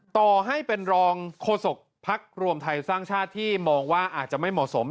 ต่อให้เป็นรองโฆษกภักดิ์รวมไทยสร้างชาติที่มองว่าอาจจะไม่เหมาะสม